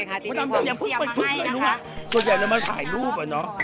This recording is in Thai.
มดดำยังพึ่งเลยนะคะส่วนใหญ่นั้นมันถ่ายรูปอ่ะเนาะ